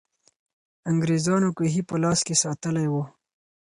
انګریزان کوهي په لاس کې ساتلې وو.